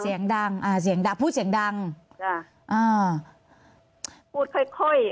เสียงดังอ่าเสียงดังพูดเสียงดังจ้ะอ่าพูดค่อยค่อย